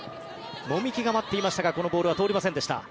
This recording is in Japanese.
籾木が待っていましたがこのボールは通りませんでした。